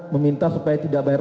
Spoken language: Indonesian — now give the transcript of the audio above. meminta supaya tidak bayar